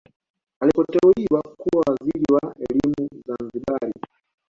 Alipoteuliwa kuwa waziri wa elimu Zanzibari